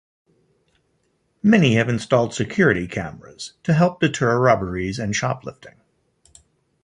Many have installed security cameras to help deter robberies and shoplifting.